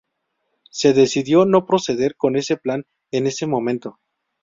Se decidió no proceder con ese plan en ese momento.